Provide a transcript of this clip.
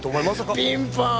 ピンポーン！